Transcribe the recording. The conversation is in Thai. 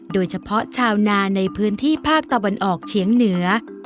โดยเฉพาะชาวนาในพื้นที่ภาคตะวันออกเฉียงเหนือ